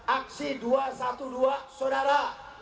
aksi dua ratus dua belas saudara